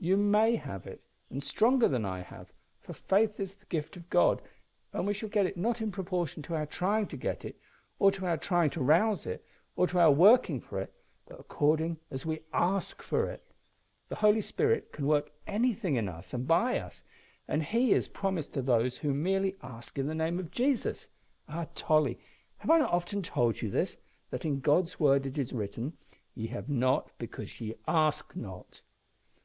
"You may have it and stronger than I have, for faith is the gift of God, and we shall get it not in proportion to our trying to get it or to our trying to rouse it, or to our working for it, but according as we ask for it. The Holy Spirit can work anything in us and by us, and He is promised to those who merely ask in the name of Jesus. Ah! Tolly, have I not often told you this, that in God's Word it is written, `Ye have not because ye ask not?'"